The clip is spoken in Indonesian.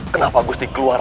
kenapa gusti keluar